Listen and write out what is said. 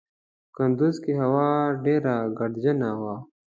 کندوز کې هوا ډېره ګردجنه وه.